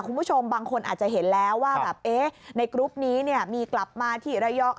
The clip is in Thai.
คุณผู้ชมบางคนอาจจะเห็นแล้วว่าแบบเอ๊ะในกรุ๊ปนี้มีกลับมาที่ระยอง